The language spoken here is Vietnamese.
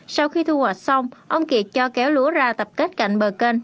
sau khi thu hoạch xong ông kiệt cho kéo lúa ra tập kết cạnh bờ kênh